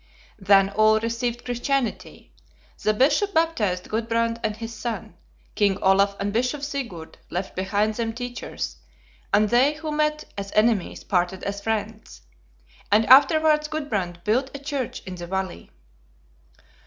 "Then all received Christianity. The Bishop baptized Gudbrand and his son. King Olaf and Bishop Sigurd left behind them teachers; and they who met as enemies parted as friends. And afterwards Gudbrand built a church in the valley."